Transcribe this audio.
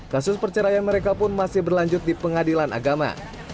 kasus perceraian mereka pun masih berlanjut di pengadilan agama